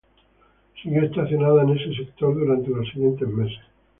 Siguió estacionada en este sector durante los siguientes meses.